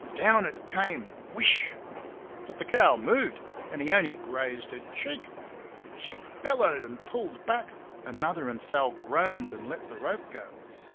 Down it came, whish! But the cow moved, and he only grazed her cheek. She bellowed and pulled back, and Mother and Sal groaned and let the rope go.